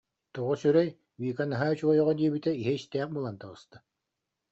Тоҕо сүрэй, Вика наһаа үчүгэй оҕо диэбитэ иһэ истээх буолан таҕыста